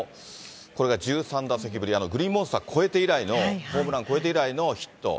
これが１３打席ぶり、グリーンモンスター越えて以来の、ホームラン越えて以来のヒット。